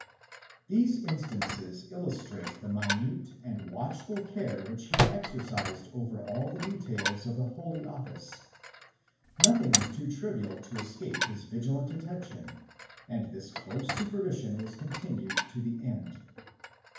1 These instances illustrate the minute and watchful care which he exercised over all the details of the Holy Office. Nothing. was too trivial to escape his vigilant attention, arid this close supervision was continued to the end.